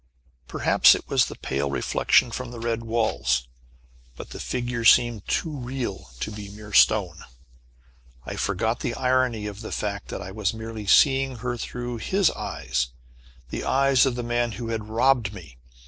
Perhaps it was the pale reflection from the red walls, but the figure seemed too real to be mere stone! I forgot the irony of the fact that I was merely seeing her through his eyes the eyes of the man who had robbed me.